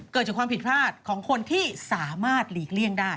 เกิดจากความผิดพลาดของคนที่สามารถหลีกเลี่ยงได้